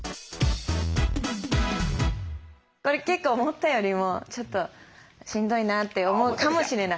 これ結構思ったよりもちょっとしんどいなって思うかもしれない。